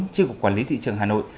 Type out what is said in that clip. chiếc quản lý thị trường hà nội